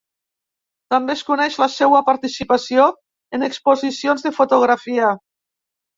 També es coneix la seua participació en exposicions de fotografia.